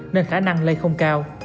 nên khả năng lây không cao